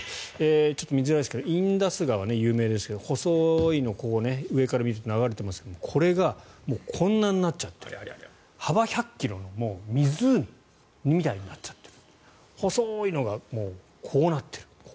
ちょっと見づらいですがインダス川、有名ですが細いの上から見ると流れていますがこれがこんなになっちゃっている幅１００ｋｍの湖みたいになっちゃってる細いのがもうこうなってる。